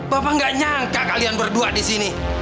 bapak nggak nyangka kalian berdua di sini